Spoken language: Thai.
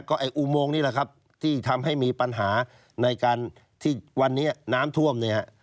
ก็อุโมงยักษ์นี้แหละครับที่ทำให้มีปัญหาในการที่วันนี้น้ำท่วม